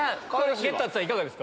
ゲッターズさん、いかがですか。